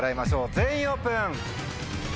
全員オープン。